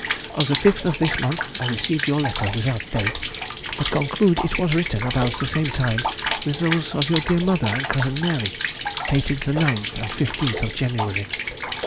On the 5th of this month I received your letter without date, but conclude it was written about the same time with those of your dear mother and cousin Mary, dated the 9th and fifteenth of January.